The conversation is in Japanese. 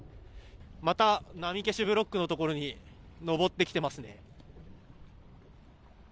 また、波消しブロックのところに登ってきていますね。